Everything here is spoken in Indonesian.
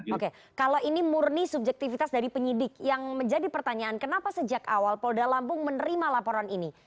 oke kalau ini murni subjektivitas dari penyidik yang menjadi pertanyaan kenapa sejak awal polda lampung menerima laporan ini